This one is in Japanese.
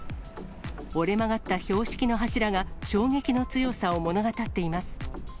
折れ曲がった標識の柱が、衝撃の強さを物語っています。